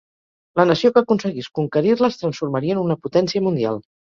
La nació que aconseguís conquerir-la es transformaria en una potència mundial.